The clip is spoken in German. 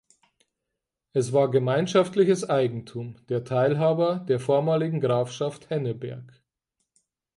Es war gemeinschaftliches Eigentum der Teilhaber der vormaligen Grafschaft Henneberg.